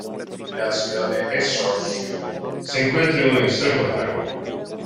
La ciudad de Esch-sur-Sûre se encuentra en un extremo del lago.